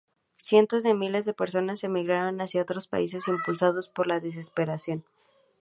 Cientos de miles de personas emigraron hacia otros países impulsados por la desesperación.